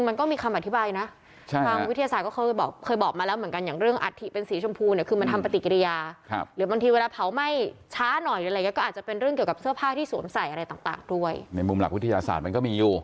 ในมุมหลักวิทยาศาสตร์มันก็มีอยู่